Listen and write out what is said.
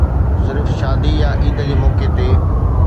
صرف شادي يا عيد جي موقعي تي